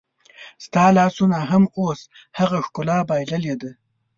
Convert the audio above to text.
ستا لاسونو هم اوس هغه ښکلا بایللې ده